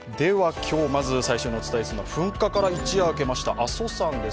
今日まず最初にお伝えしますのは噴火から一夜明けた阿蘇山です。